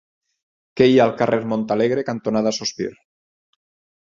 Què hi ha al carrer Montalegre cantonada Sospir?